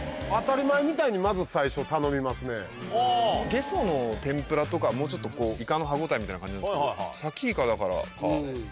ゲソの天ぷらとかもうちょっとイカの歯応えみたいのは感じるんですけどさきいかだからか。